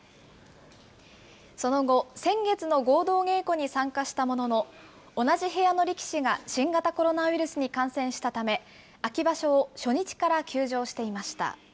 その後、先月の合同稽古に参加したものの、同じ部屋の力士が新型コロナウイルスに感染したため、秋場所を初日から休場していました。